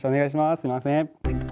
すいません。